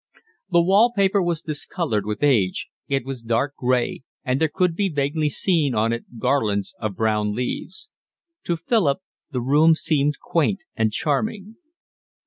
The wall paper was discoloured with age; it was dark gray, and there could be vaguely seen on it garlands of brown leaves. To Philip the room seemed quaint and charming.